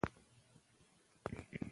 تاسو د تاریخ پاڼې په دقت سره ولولئ.